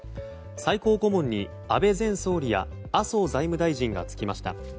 最高顧問に安倍前総理や麻生財務大臣が就きました。